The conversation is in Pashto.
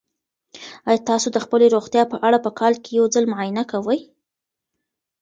آیا تاسو د خپلې روغتیا په اړه په کال کې یو ځل معاینه کوئ؟